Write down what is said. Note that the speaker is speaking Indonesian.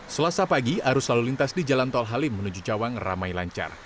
selasa pagi arus lalu lintas di jalan tol halim menuju cawang ramai lancar